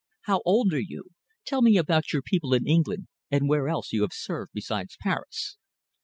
How old are you? Tell me about your people in England, and where else you have served besides Paris?"